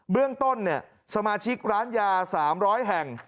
เรื่องต้นสมาชิกร้านยา๓๐๐แห่ง